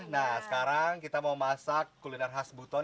nah sekarang kita mau masak kuliner khas buton